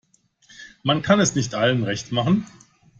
Man kann es nicht allen recht machen.